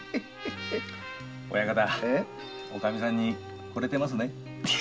親方おかみさんにほれてますね。